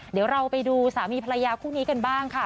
เดี๋ยวเราไปดูสามีภรรยาคู่นี้กันบ้างค่ะ